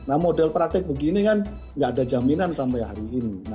nah model praktik begini kan nggak ada jaminan sampai hari ini